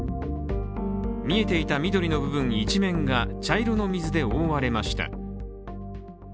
見えていた緑の部分一面が茶色の水で覆われました。